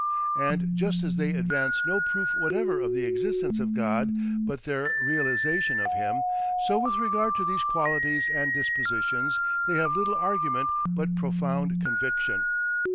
And just as they advance no proof whatever of the existence of God but their realisation of him, so with regard to these qualities and dispositions they have little argument but profound conviction.